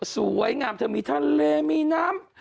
สวยงามเธอมีทะเลมีน้ำ